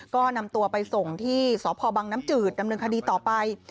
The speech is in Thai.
ก็นำตัวไปส่งที่สพบังน้ำจืดดำเนินคดีต่อไป